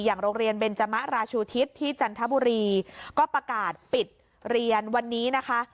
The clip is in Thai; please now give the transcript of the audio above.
โรงเรียนเบนจมะราชูทิศที่จันทบุรีก็ประกาศปิดเรียนวันนี้นะคะ